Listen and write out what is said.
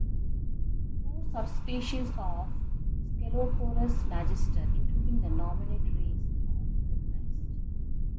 Four subspecies of "Sceloporus magister", including the nominate race, are recognized.